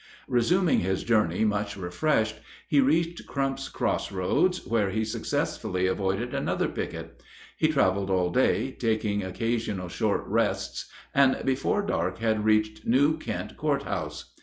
Resuming his journey much refreshed, he reached Crump's Cross roads, where he successfully avoided another picket. He traveled all day, taking occasional short rests, and before dark had reached New Kent Court house.